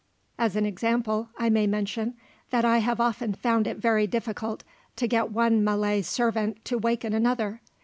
As an example, I may mention that I have often found it very difficult to get one Malay servant to waken another.